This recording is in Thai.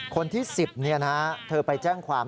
คนที่๑๐เนี่ยนะเธอไปแจ้งความ